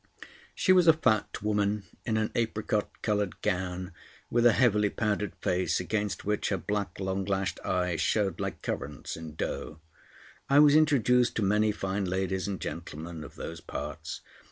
She was a fat woman in an apricot coloured gown, with a heavily powdered face, against which her black long lashed eyes showed like currants in dough. I was introduced to many fine ladies and gentlemen of those parts.